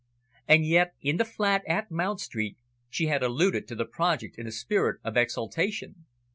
And yet, in the flat at Mount Street, she had alluded to the project in a spirit of exultation.